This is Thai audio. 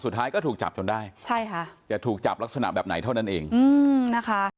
สุดท้ายก็ถูกจับจนได้ใช่ค่ะจะถูกจับลักษณะแบบไหนเท่านั้นเองอืมนะคะ